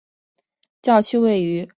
教区位于米纳斯吉拉斯州中部。